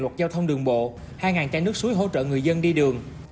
luật giao thông đường bộ hai chai nước suối hỗ trợ người dân đi đường